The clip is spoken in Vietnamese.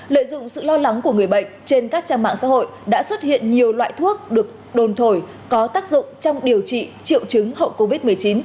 lợi dụng sự lo lắng của người bệnh trên các trang mạng xã hội đã xuất hiện nhiều loại thuốc được đồn thổi có tác dụng trong điều trị triệu chứng hậu covid một mươi chín